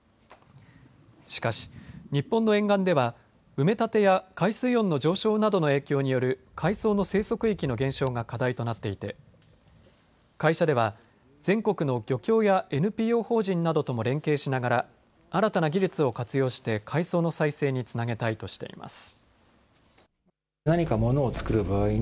しかし日本の沿岸では埋め立てや海水温の上昇などの影響による海藻の生息域の減少が課題となっていて会社では全国の漁協やＮＰＯ法人などとも連携しながら新たな技術を活用して海藻の再生につなげたいとしています。